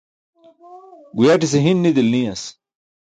Guyaṭise hiṅ nidilin niyas.